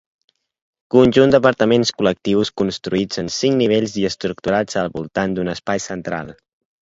Conjunt d'apartaments col·lectius construïts en cinc nivells i estructurats al voltant d'un espai central.